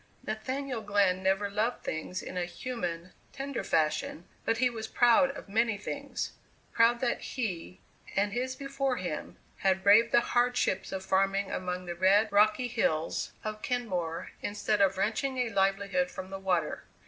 Nathaniel Glenn never loved things in a human, tender fashion, but he was proud of many things proud that he, and his before him, had braved the hardships of farming among the red, rocky hills of Kenmore instead of wrenching a livelihood from the water.